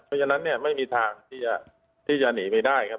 เพราะฉะนั้นเนี่ยไม่มีทางที่จะหนีไปได้ครับ